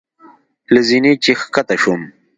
له زینې چې ښکته شوم.